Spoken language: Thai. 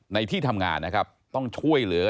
ในที่ทำงานต้องช่วยเหลือ